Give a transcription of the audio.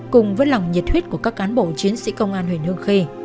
cùng với lòng nhiệt huyết của các cán bộ chiến sĩ công an huyện hương khê